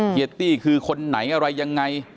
ตี้คือคนไหนอะไรยังไง